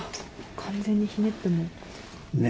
完全にひねっても。ね？